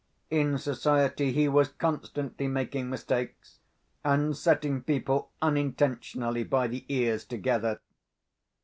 In society, he was constantly making mistakes, and setting people unintentionally by the ears together.